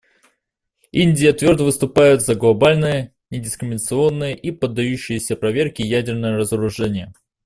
Индия твердо выступает за глобальное, недискриминационное и поддающееся проверке ядерное разоружение.